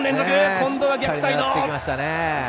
今度は逆サイド！